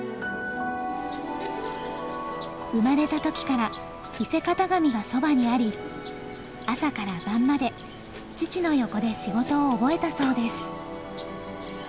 生まれた時から伊勢型紙がそばにあり朝から晩まで父の横で仕事を覚えたそうです。